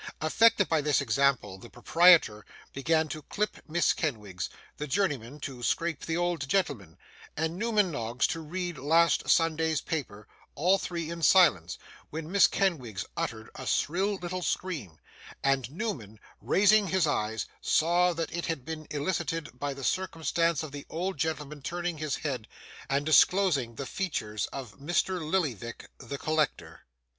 Affected by this example, the proprietor began to clip Miss Kenwigs, the journeyman to scrape the old gentleman, and Newman Noggs to read last Sunday's paper, all three in silence: when Miss Kenwigs uttered a shrill little scream, and Newman, raising his eyes, saw that it had been elicited by the circumstance of the old gentleman turning his head, and disclosing the features of Mr. Lillyvick the collector.